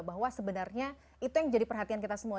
bahwa sebenarnya itu yang jadi perhatian kita semua